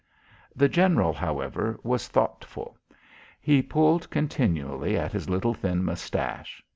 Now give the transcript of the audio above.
The general, however, was thoughtful. He pulled continually at his little thin moustache.